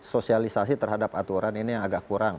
sosialisasi terhadap aturan ini yang agak kurang